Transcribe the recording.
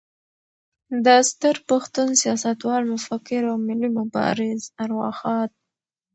د ستر پښتون، سیاستوال، مفکر او ملي مبارز ارواښاد